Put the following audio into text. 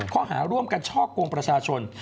ข้อหาร่วมกันช่อกงประชาชน